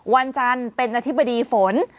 วันจันทร์เป็นอธิบดีฝน